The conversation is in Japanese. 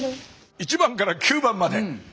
１番から９番まで！